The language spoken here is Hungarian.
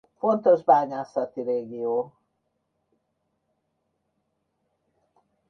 Fontos bányászati régió.